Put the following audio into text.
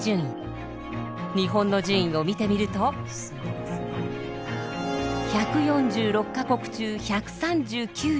日本の順位を見てみると１４６か国中１３９位。